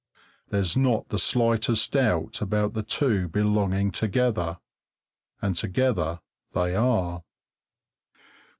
There's not the slightest doubt about the two belonging together, and together they are.